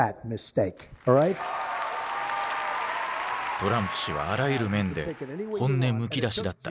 トランプ氏はあらゆる面で本音むき出しだった。